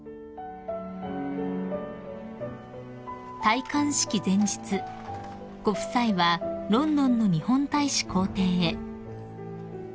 ［戴冠式前日ご夫妻はロンドンの日本大使公邸へ］